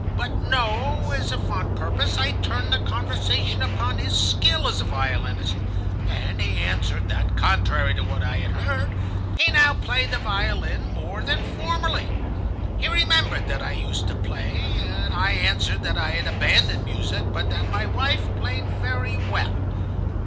But no, as if on purpose, I turned the conversation upon his skill as a violinist, and he answered that, contrary to what I had heard, he now played the violin more than formerly. He remembered that I used to play. I answered that I had abandoned music, but that my wife played very well.